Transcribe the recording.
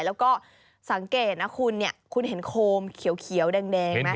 แล้วก็สังเกตนะคุณคุณเห็นโคมเขียวแดงไหม